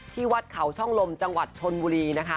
ที่วัดเขาช่องลมจังหวัดชนบุรีนะคะ